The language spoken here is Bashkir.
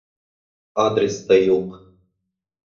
Адрес та юҡ.